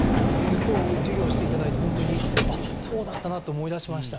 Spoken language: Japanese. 今日授業して頂いて本当に「あっそうだったな」って思い出しました。